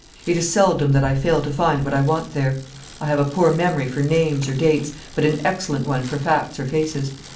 It is seldom that I fail to find what I want there. I have a poor memory for names or dates, but an excellent one for facts or faces.